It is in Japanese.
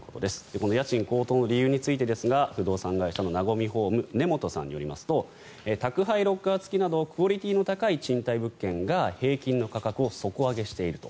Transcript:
この家賃高騰の理由について不動産会社のナゴミホーム根本さんによりますと宅配ロッカー付きなどクオリティーの高い賃貸物件が平均の価格を底上げしていると。